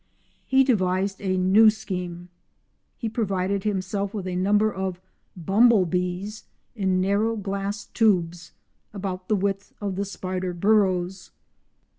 He devised a new scheme. He provided himself with a number of "bumble" bees in narrow glass tubes—about the width of the spider burrows.